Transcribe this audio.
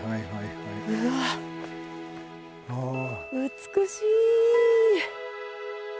美しい。